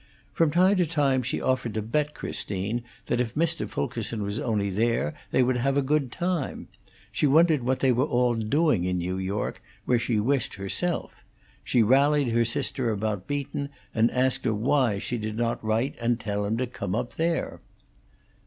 From time to time she offered to bet Christine that if Mr. Fulkerson was only there they would have a good time; she wondered what they were all doing in New York, where she wished herself; she rallied her sister about Beaton, and asked her why she did not write and tell him to come up there.